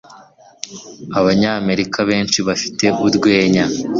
Abanyamerika benshi bafite urwenya.